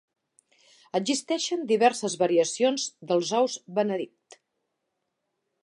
Existeixen diverses variacions dels ous Benedict.